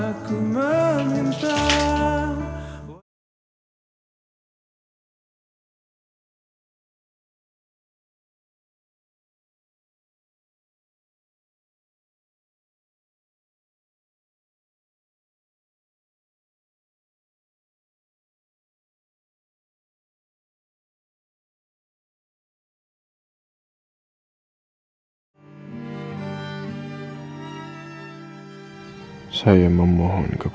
akhirnya sampai cottoneh